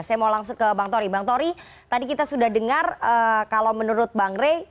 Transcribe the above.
saya mau langsung ke bang tori bang tori tadi kita sudah dengar kalau menurut bang rey